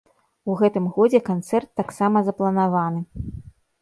У гэтым годзе канцэрт таксама запланаваны.